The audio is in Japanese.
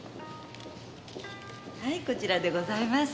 はいこちらでございます。